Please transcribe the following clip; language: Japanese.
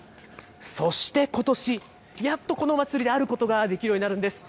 そしてことし、やっとこの祭りであることができるようになるんです。